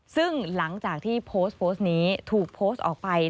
ซึ่งหลังจากที่โพสต์โพสต์นี้ถูกโพสต์ออกไป